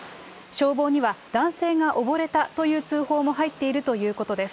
消防には男性が溺れたという通報も入っているということです。